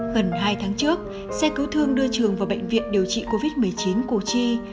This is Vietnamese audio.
gần hai tháng trước xe cứu thương đưa trường vào bệnh viện điều trị covid một mươi chín củ chi